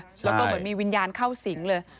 แล้วก็เหมือนมีวิญญาณเข้าสิงเลย